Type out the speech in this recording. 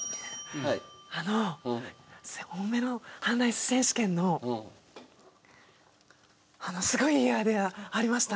あの多めの半ライス選手権のすごいいいアイデアありました